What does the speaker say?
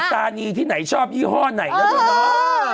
ตานีที่ไหนชอบยี่ห้อไหนแล้วด้วยเนาะ